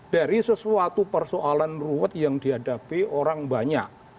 dari sesuatu persoalan ruwet yang dihadapi orang banyak